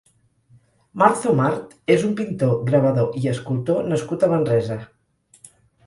Marzo-Mart és un pintor, gravador i escultor nascut a Manresa.